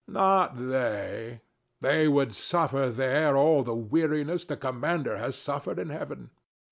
Not they. They would suffer there all the weariness the Commander has suffered in heaven.